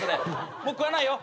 もう食わないよ。